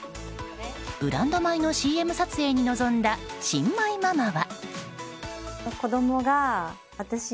ブランド米のＣＭ撮影に臨んだ新米ママは。